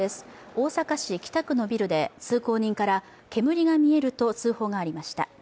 大阪市北区のビルで通行人から煙が見えると通報がありました。